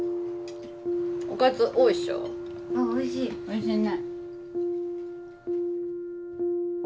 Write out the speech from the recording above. おいしいね。